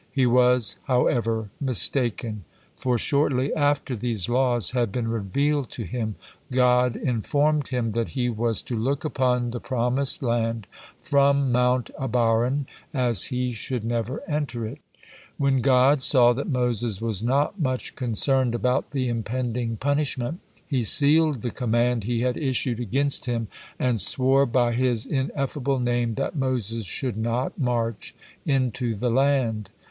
He was, however, mistaken, for shortly after these laws had been revealed to him, God informed him that he was to look upon the promised land from Mount Abarin, as he should never enter it. When God saw that Moses was not much concerned about the impending punishment, He sealed the command He had issued against him, and swore by His Ineffable Name that Moses should not march into the land.